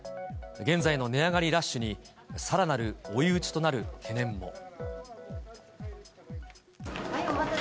現在の値上がりラッシュにさらなる追い打ちとなる懸念も。